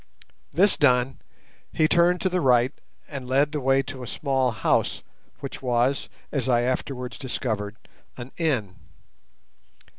This done, he turned to the right and led the way to a small house, which was, as I afterwards discovered, an inn.